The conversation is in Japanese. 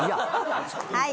はい。